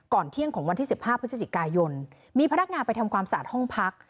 เที่ยงของวันที่๑๕พฤศจิกายนมีพนักงานไปทำความสะอาดห้องพัก